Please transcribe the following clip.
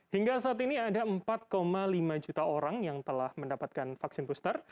hingga saat ini ada empat lima juta orang yang telah mendapatkan vaksin booster